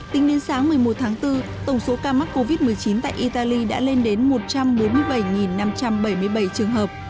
tính đến sáng một mươi một tháng bốn tổng số ca mắc covid một mươi chín tại italy đã lên đến một trăm bốn mươi bảy năm trăm bảy mươi bảy trường hợp